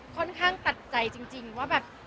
ค่อนข้างตัดใจจริงว่าแบบ